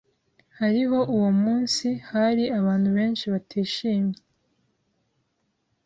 Hariho uwo munsi hari abantu benshi batishimye.